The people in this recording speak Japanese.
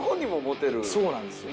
そうなんですよ。